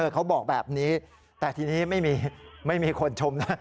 เขาบอกแบบนี้แต่ทีนี้ไม่มีคนชมนะ